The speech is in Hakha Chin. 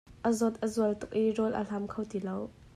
A zawt a zual tuk i rawl a hlam kho ti lo.